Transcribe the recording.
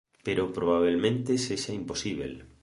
Pero probabelmente sexa imposíbel…